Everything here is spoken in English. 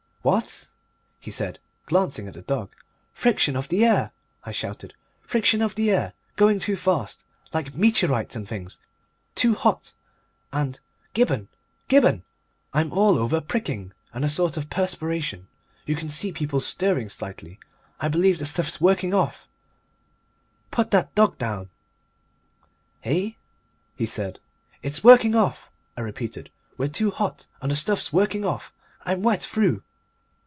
"What?" he said, glancing at the dog. "Friction of the air," I shouted. "Friction of the air. Going too fast. Like meteorites and things. Too hot. And, Gibberne! Gibberne! I'm all over pricking and a sort of perspiration. You can see people stirring slightly. I believe the stuff's working off! Put that dog down." "Eh?" he said. "It's working off," I repeated. "We're too hot and the stuff's working off! I'm wet through."